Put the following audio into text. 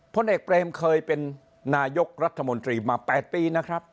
พลเอกปรมเคยเป็นนายกรัฐมนตรีมา๘ปี